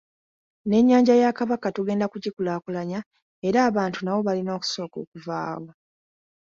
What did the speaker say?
N'ennyanja ya Kabaka tugenda kugikulaakulanya era abantu nawo balina okusooka okuvaawo.